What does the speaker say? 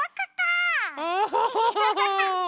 アハハハ！